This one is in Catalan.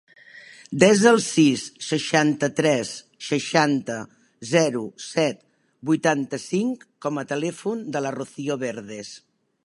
Desa el sis, seixanta-tres, seixanta, zero, set, vuitanta-cinc com a telèfon de la Rocío Verdes.